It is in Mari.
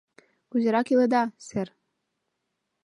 — Кузерак иледа, сэр?